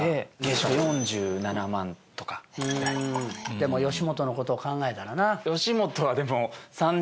でも吉本のことを考えたらな。